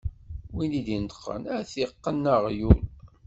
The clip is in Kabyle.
Win d-ineṭqen, ad iqqen aɣyul.